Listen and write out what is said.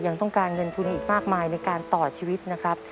ยังต้องการเงินทุนอีกมากมายในการต่อชีวิตนะครับ